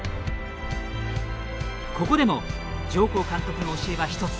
ここでも上甲監督の教えは一つ。